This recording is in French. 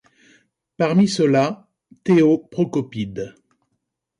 Parmi ceux-là, Theo Procopides.